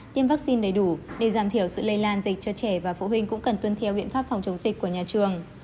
tiêm vaccine đầy đủ để giảm thiểu sự lây lan dịch cho trẻ và phụ huynh cũng cần tuân theo biện pháp phòng chống dịch của nhà trường